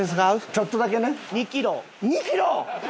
ちょっとだけね。